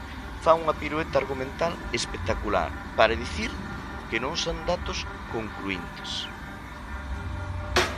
Fan unha pirueta argumental espectacular para dicir que non son datos concluíntes.